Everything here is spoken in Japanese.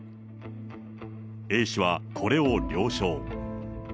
Ａ氏はこれを了承。